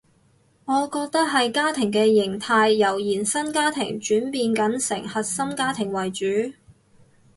我覺得係家庭嘅型態由延伸家庭轉變緊成核心家庭為主